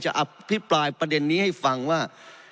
อภิปรายประเด็นนี้ให้ฟังว่า